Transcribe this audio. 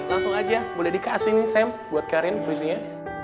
langsung aja boleh dikasih nih sam buat karin puisinya